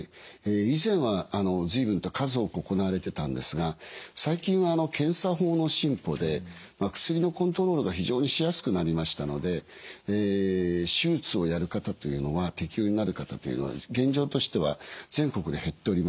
以前は随分と数多く行われてたんですが最近は検査法の進歩で薬のコントロールが非常にしやすくなりましたので手術をやる方というのは適応になる方というのは現状としては全国で減っております。